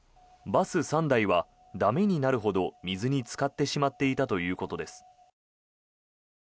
バス３台は駄目になるほど水につかってしまっていたということです。